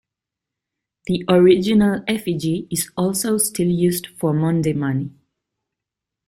The original effigy is also still used for Maundy money.